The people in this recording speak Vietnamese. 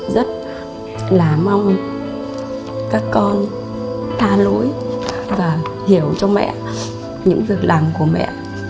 rất là mong các con tha lối và hiểu cho mẹ những việc làm của mẹ